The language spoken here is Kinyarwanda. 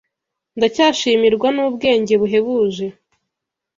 Ndacyashimirwa n'ubwenge buhebuje